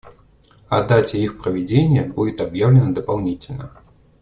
О дате их проведения будет объявлено дополнительно.